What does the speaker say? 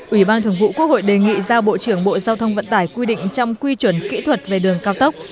ủy ban thường vụ quốc hội đề nghị giao bộ trưởng bộ giao thông vận tải quy định trong quy chuẩn kỹ thuật về đường cao tốc